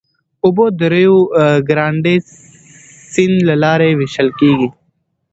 اوبه د ریو ګرانډې سیند له لارې وېشل کېږي.